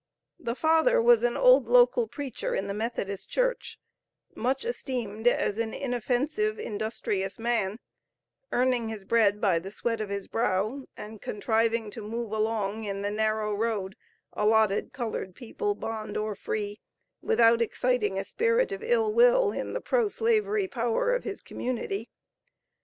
The father was an old local preacher in the Methodist Church much esteemed as an inoffensive, industrious man; earning his bread by the sweat of his brow, and contriving to move along in the narrow road allotted colored people bond or free, without exciting a spirit of ill will in the pro slavery power of his community.